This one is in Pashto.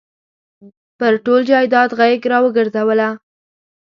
پر ټول جایداد غېږ را ورګرځوله.